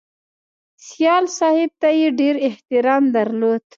سیال صاحب ته یې ډېر احترام درلود